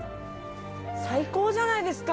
最高じゃないですか！